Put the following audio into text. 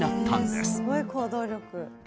すごい行動力！